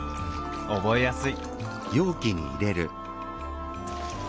覚えやすい！